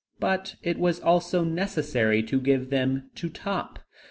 But it was also necessary to give them to Top.